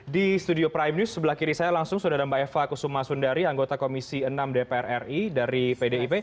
di studio prime news sebelah kiri saya langsung sudah ada mbak eva kusuma sundari anggota komisi enam dpr ri dari pdip